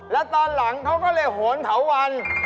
แล้วตอนหลังเขาก็เลยโหนเถาวัน